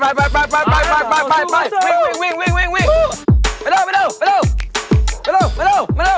ไปเร็ว